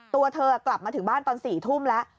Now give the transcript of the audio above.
ตัวเธอกลับมาถึงบ้านตอน๔ทุ่มแล้ว